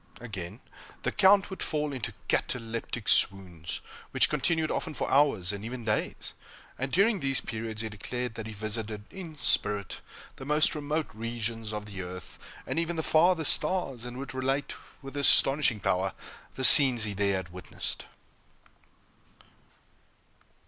Again, the Count would fall into cataleptic swoons, which continued often for hours, and even days; and, during these periods, he declared that he visited, in spirit, the most remote regions of the earth, and even the farthest stars, and would relate, with astonishing power, the scenes he there had witnessed!